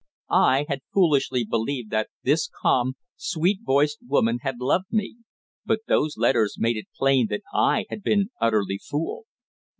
I had foolishly believed that this calm, sweet voiced woman had loved me, but those letters made it plain that I had been utterly fooled.